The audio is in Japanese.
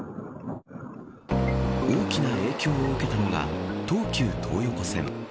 大きな影響を受けたのが東急東横線。